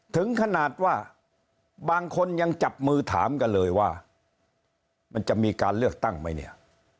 ถึงขนาดว่าบางคนยังจับมือถามกันเลยว่ามันจะมีการเลือกตั้งไหมเนี่ย